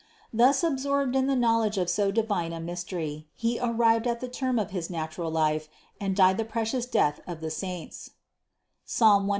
Thus absorbed in THE CONCEPTION 519 the knowledge of so divine a mystery, he arrived at the term of his natural life and died the precious death of the saints (Psalm 115, 15).